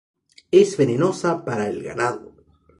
Es venenosa para el ganado.